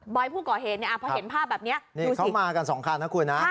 บอยผู้ก่อเหนี่ยอ่ะเพราะเห็นภาพแบบเนี้ยนี่เขามากันสองคันนะคุณน่ะ